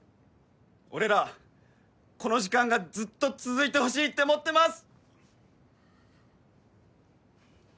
俺らこの時間がずっと続いてほしいって思ってます！